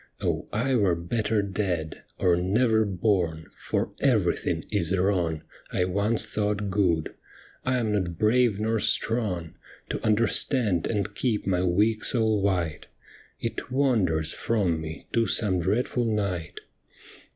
Oh, I were better dead, Or never born, for everything is wrong I once thought good. I am not brave nor strong To understand and keep my weak soul white ; It wanders from me to some dreadful night.